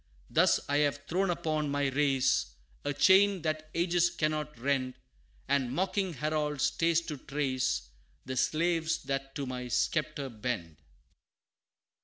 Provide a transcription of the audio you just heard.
Thus I have thrown upon my race, A chain that ages cannot rend And mocking Harold stays to trace, The slaves that to my sceptre bend."